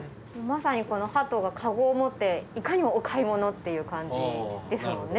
まさにこのハトが籠を持っていかにもお買い物っていう感じですもんね。